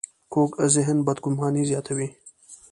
کوږ ذهن بدګماني زیاتوي